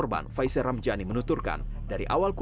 di investasi mata uang kripto